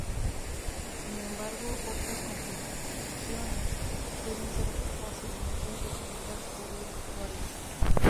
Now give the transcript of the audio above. Sin embargo, otras composiciones pueden ser fácilmente definidas por el usuario.